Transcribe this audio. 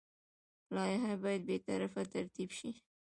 لایحه باید بې طرفه ترتیب شي.